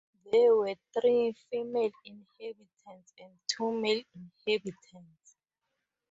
There were three female inhabitants and two male inhabitants.